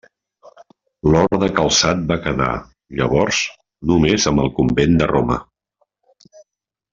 L'orde calçat va quedar, llavors, només amb el convent de Roma.